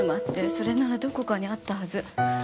それならどこかにあったはず。